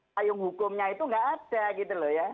payung hukumnya itu nggak ada gitu loh ya